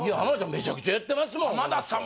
めちゃくちゃやってます浜田さん